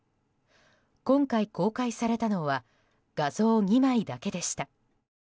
今回、公開されたのは画像２枚だけでした。